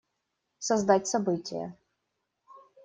Создать событие.